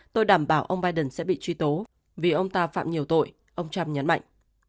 tôi đảm bảo ông biden sẽ bị truy tố vì ông ta phạm nhiều tội ông trump nhấn mạnh